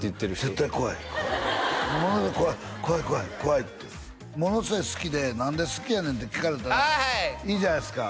絶対怖いものすごい怖い怖い怖い怖いってものすごい好きで何で好きやねんって聞かれたらあはい「いいじゃないですか」